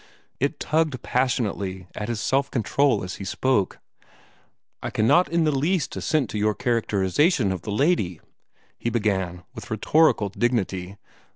It tugged passionately at his self control as he spoke. "I cannot in the least assent to your characterization of the lady," he began with rhetorical dignity.